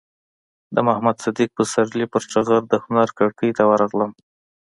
د محمد صدیق پسرلي پر ټغر د هنر کړکۍ ته ورغلم.